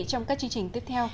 trong các chương trình tiếp theo